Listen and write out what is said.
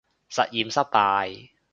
實驗失敗